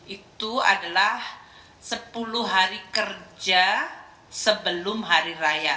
itu adalah sepuluh hari kerja sebelum hari raya